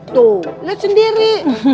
tuh lihat sendiri